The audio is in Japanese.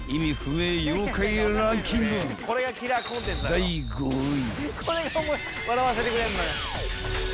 ［第５位］